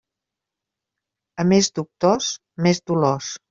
A més doctors, més dolors.